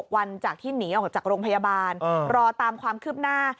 วันจากที่หนีออกจากโรงพยาบาลรอตามความคืบหน้า